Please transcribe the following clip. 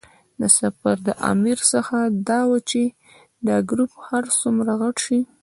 د سفر د امیر هڅه دا وه چې دا ګروپ هر څومره غټ شي.